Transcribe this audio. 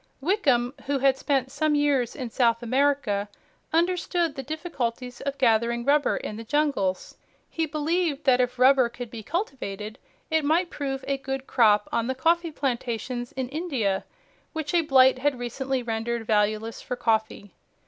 Wickham, who had spent some years in South America, understood the difficulties of gathering rubber in the jungles. He believed that if rubber could be cultivated it might prove a good crop on the coffee plantations in India which a blight had recently rendered valueless for coffee.